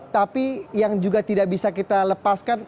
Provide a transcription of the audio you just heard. tapi yang juga tidak bisa kita lepaskan kasus ini